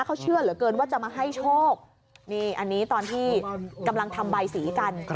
เขาเชื่อเหลือเกินว่าจะมาให้โชคนี่อันนี้ตอนที่กำลังทำใบสีกัน